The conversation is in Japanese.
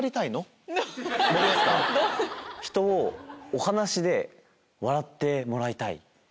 お話で笑ってもらいたい。